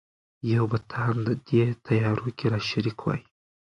یو به ته هم دې تیارو کي را شریک وای